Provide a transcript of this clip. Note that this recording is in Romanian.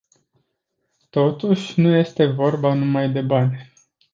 Totuși, nu este vorba numai de bani.